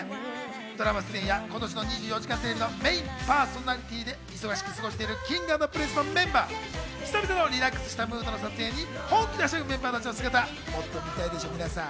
ドラマ出演や今年の『２４時間テレビ』のメインパーソナリティーで忙しく過ごすＫｉｎｇ＆Ｐｒｉｎｃｅのメンバー、久々のリラックスムードでの撮影に本気ではしゃぐ姿、見たいでしょ？